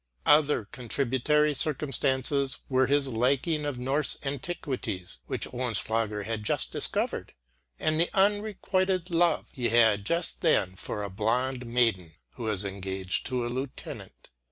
Other contributory circumstances were his liking for Norse antiquities which Oehlenschläger had just discovered, and the unrequited love he had just then for a blond maiden who was engaged to a lieutenant.